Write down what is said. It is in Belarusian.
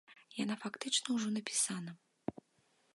Яна фактычна ўжо напісана.